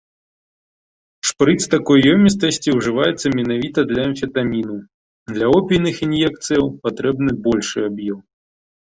Шпрыц такой ёмістасці ўжываецца менавіта для амфетаміну, для опійных ін'екцыяў патрэбны большы аб'ём.